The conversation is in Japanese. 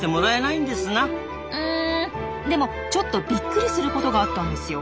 うんでもちょっとびっくりすることがあったんですよ。